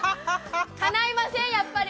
かないませんやっぱり。